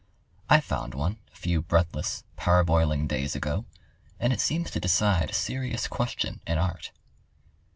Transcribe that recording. I found one a few breathless, parboiling days ago, and it seems to decide a serious question in art.